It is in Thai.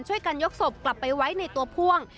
ช่วยกันยกศพกลับไปไว้ในตัวพ่วง